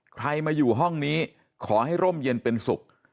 ใครมาอยู่ห้องนี้ขอให้ร่มเย็นเป็นสุข